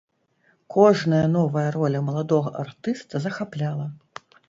Кожная новая роля маладога артыста захапляла.